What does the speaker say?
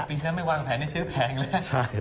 ปีนั้นไม่วางแผนได้ซื้อแผงแล้ว